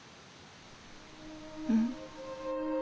うん。